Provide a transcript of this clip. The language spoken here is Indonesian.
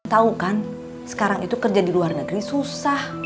tau kan sekarang itu kerja di luar negeri susah